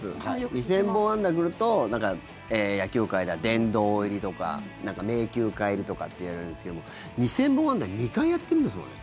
２０００本安打すると野球界では殿堂入りとか名球会入りとかっていわれるんですけども２０００本安打２回やってるんですもんね。